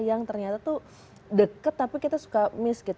yang ternyata tuh deket tapi kita suka miss